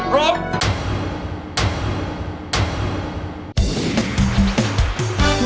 ร้อง